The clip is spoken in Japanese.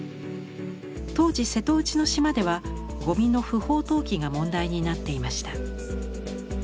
当時瀬戸内の島ではゴミの不法投棄が問題になっていました。